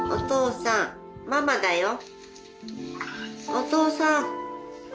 お父さん。